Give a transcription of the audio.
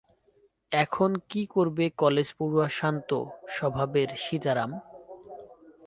এখন কি করবে কলেজ পড়ুয়া শান্ত স্বভাবের সীতারাম?????